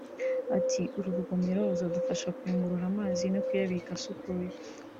Ati “uru rugomero ruzadufasha kuyungurura amazi no kuyabika asukuye